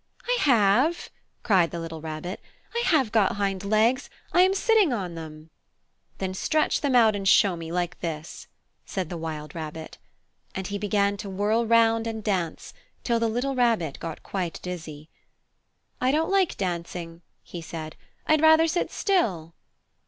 "I have!" cried the little Rabbit. "I have got hind legs! I am sitting on them!" "Then stretch them out and show me, like this!" said the wild rabbit. And he began to whirl round and dance, till the little Rabbit got quite dizzy. "I don't like dancing," he said. "I'd rather sit still!"